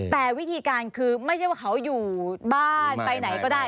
แต่วิธีการคือไม่ใช่ว่าเขาอยู่บ้านไปไหนก็ได้